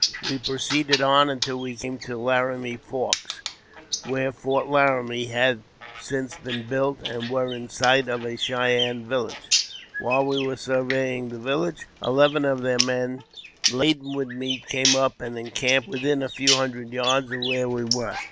We proceeded on until we came to Laramie Forks, where Fort Laramie has since been built, and were in sight of a Cheyenne village. While we were surveying the village, eleven of their men, laden with meat, came up and encamped within a few hundred yards of where we were.